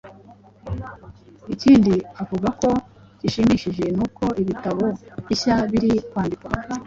Ikindi avuga ko gishimishije ni uko ibitabo bishya biri kwandikwa